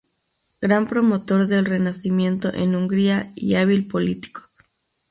Gran promotor del Renacimiento en Hungría y hábil político.